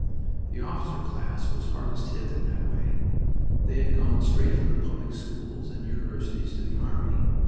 The officer class was hardest hit in that way. They had gone straight from the public schools and universities to the army.